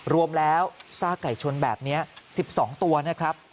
รวมแล้วซ่าไก่ชนแบบเนี้ยสิบสองตัวนะครับ